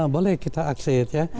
boleh kita akses ya